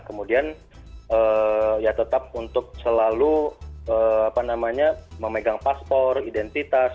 kemudian ya tetap untuk selalu memegang paspor identitas